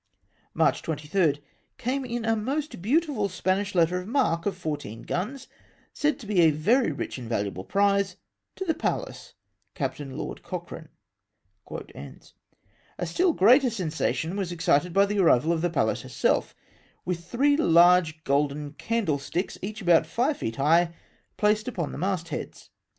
"March 23. — Came in a most beautiful Spanish letter of marque of fourteen guns, said to be a very rich and valu able prize to the Pallas, Captain Lord Cochrane." AKRIVAL OF THE PALLAS. 175 A still greater sensation was excited by the arrival of the Pallas herself, with three large golden candle sticks, each about five feet high, placed upon the mast heads.